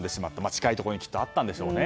近いところにきっとあったんでしょうね。